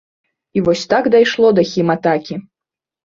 І вось так дайшло да хіматакі.